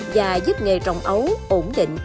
và giúp nghề trồng ấu ổn định